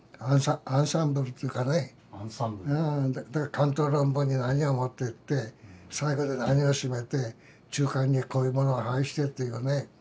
巻頭論文に何を持ってって最後で何を締めて中間にこういうものを配してっていうね。